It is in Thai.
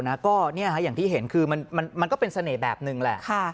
นะก็เนี่ยอย่างที่เห็นคือมันมันก็เป็นเสน่ห์แบบนึงแหละค่ะ